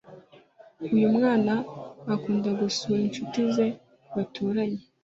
Uyumwana akunda gusura inshuti ze baturanye